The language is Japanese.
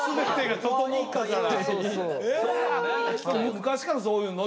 昔からそういうの？